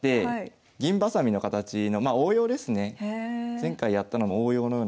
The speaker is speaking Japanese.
前回やったのの応用のような形で。